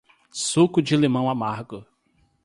Suco de limão amargo